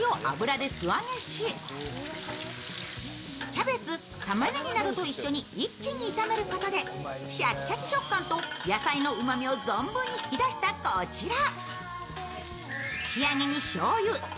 キャベツ、たまねぎなどと一緒に一気に炒めることでシャキシャキ食感と野菜のうまみを存分に引き出した、こちら。